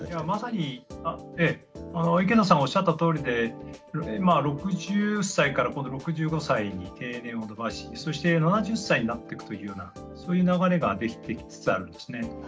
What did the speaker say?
まさにええ池野さんがおっしゃったとおりで６０歳から今度６５歳に定年を延ばしそして７０歳になってくというようなそういう流れが出来てきつつあるんですね。